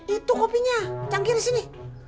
itu kopinya canggir di sini